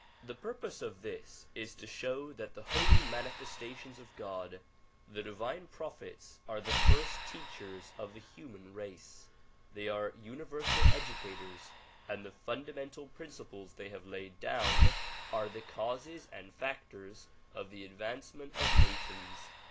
The purpose of this is to show that the holy manifestations of God, the divine prophets are the first teachers of the human race. They are universal educators and the fundamental principles they have laid down are the causes and factors of the advancement of nations.